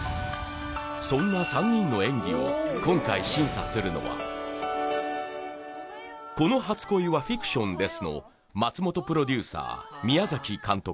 そんな３人の演技を今回審査するのは「この初恋はフィクションです」の松本プロデューサー宮崎監督